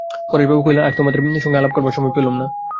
পরেশবাবু কহিলেন, আজ আর তোমাদের সঙ্গে আলাপ করবার সময় পেলুম না।